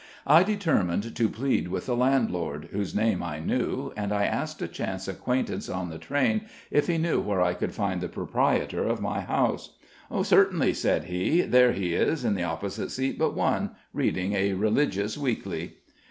I determined to plead with the landlord, whose name I knew, and I asked a chance acquaintance on the train if he knew where I could find the proprietor of my house. "Certainly," said he; "there he is in the opposite seat but one, reading a religious weekly."